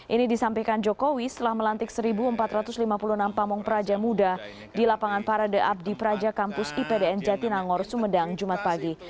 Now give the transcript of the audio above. ini disampaikan jokowi setelah melantik satu empat ratus lima puluh enam pamung praja muda di lapangan parade abdi praja kampus ipdn jatinangor sumedang jumat pagi